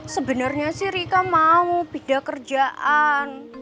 sebenarnya sih rika mau pindah kerjaan